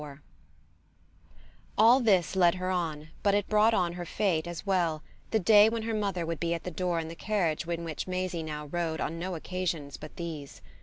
IV All this led her on, but it brought on her fate as well, the day when her mother would be at the door in the carriage in which Maisie now rode on no occasions but these.